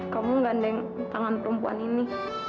kamu gandeng tangan perempuan ini